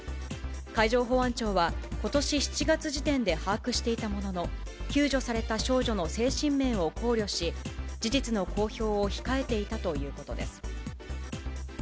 海上保安庁は、ことし７月時点で把握していたものの、救助された少女の精神面を考慮し、事実の公表を控えていたということです。